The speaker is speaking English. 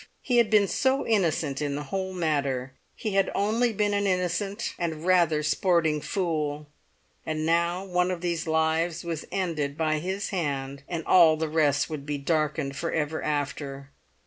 He had been so innocent in the whole matter; he had only been an innocent and rather sporting fool. And now one of these lives was ended by his hand, and all the rest would be darkened for ever after!